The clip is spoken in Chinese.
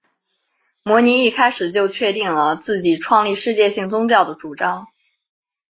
摩尼一开始就确定了自己创立世界性宗教的主张。